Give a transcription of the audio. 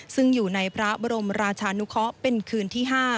ซึ่งอยู่ในพระบรมราชานุเคาะเป็นคืนที่๕